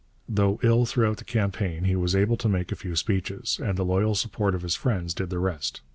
Though ill throughout the campaign, he was able to make a few speeches, and the loyal support of his friends did the rest.